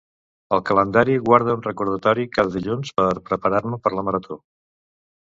Al calendari guarda un recordatori cada dilluns per preparar-me per la marató.